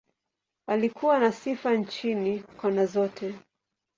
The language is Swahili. Alikuwa na sifa nchini, kona zote.